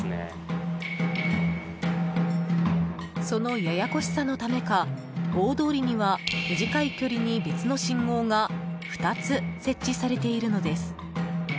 そのややこしさのためか大通りには短い距離に別の信号が２つ設置されているのです。